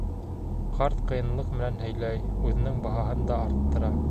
Ҡарт ҡыйынлыҡ менән һөйләй, үҙенең баһаһын да арттыра.